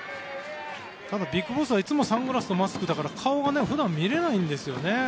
ＢＩＧＢＯＳＳはいつもサングラスとマスクだから顔が普段、見られないんですよね。